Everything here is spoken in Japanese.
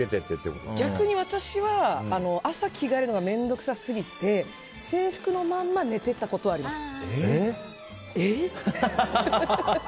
逆に私は朝着替えるのが面倒臭すぎて制服のまんま寝てたことはあります。